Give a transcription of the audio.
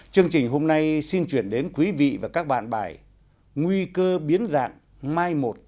chương trình hôm nay xin chuyển đến quý vị và các bạn bài nguy cơ biến dạng mai một